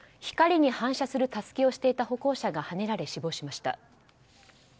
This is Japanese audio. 光に反射するたすきをしていた歩行者がはねられ、死亡しました。